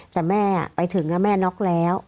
แต่แม่ไปถึงแม่น็อกแล้ว